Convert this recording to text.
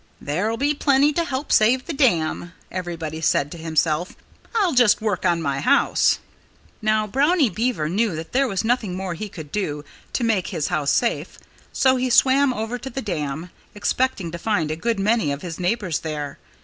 "There'll be plenty to help save the dam," everybody said to himself. "I'll just work on my house." Now, Brownie Beaver knew that there was nothing more he could do to make his house safe, so he swam over to the dam, expecting to find a good many of his neighbors there.